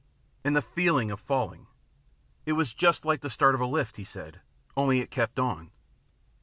And the feeling of falling ! It was just like the start of a lift, he said, only it kept on.